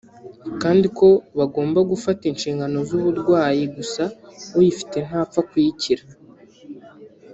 kandi ko bagomba gufata inshingano z’uburwayi gusa uyifite ntapfa kuyikira